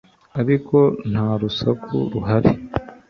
ariko nta rusaku ruhari